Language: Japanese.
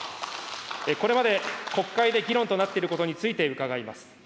これまで国会で議論となっていることについて伺います。